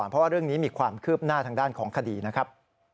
เพราะว่าเรื่องนี้มีความคืบหน้าทางด้านของคดีนะครับ